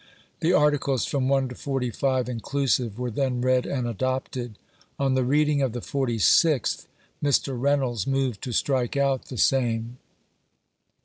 The articles from one to forty 4ive, inclusive, were then read and adopted. On the reading of the forty sixth, Mr. Reynolds moved to strike out the same.